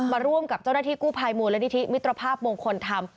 มาร่วมกับเจ้าหน้าที่กู้ภัยมูลนิธิมิตรภาพมงคลธรรม